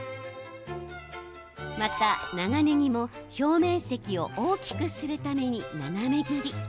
また、長ねぎも表面積を大きくするために斜め切り。